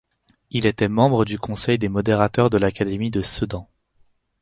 Il était membre du conseil des modérateurs de l'académie de Sedan.